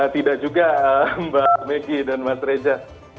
tidak juga mbak meggy dan mas reza